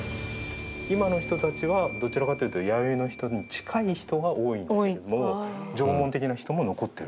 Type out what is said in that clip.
今の人たちはどちらかというと弥生の人に近い人が多いんですけども。